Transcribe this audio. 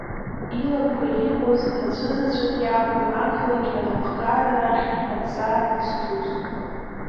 Илақәа ирбоз аӡәызаҵәык иакәын ақалақь анапхгара рахьтә адҵа изҭоз.